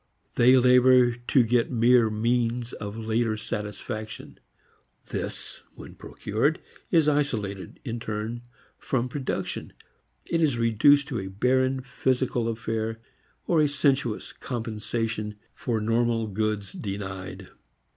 They labor to get mere means of later satisfaction. This when procured is isolated in turn from production and is reduced to a barren physical affair or a sensuous compensation for normal goods denied.